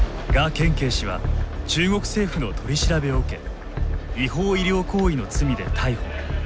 建奎氏は中国政府の取り調べを受け違法医療行為の罪で逮捕。